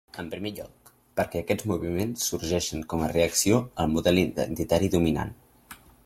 En primer lloc, perquè aquests moviments sorgeixen com a reacció al model identitari dominant.